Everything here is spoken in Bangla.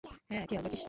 হ্যাঁ, খেয়াল রাখিস।